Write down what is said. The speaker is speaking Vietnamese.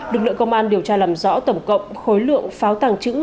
lực lượng công an điều tra làm rõ tổng cộng khối lượng pháo tàng trữ